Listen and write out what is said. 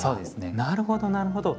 なるほどなるほど。